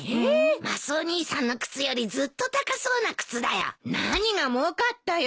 マスオ兄さんの靴よりずっと高そうな靴だよ。何がもうかったよ。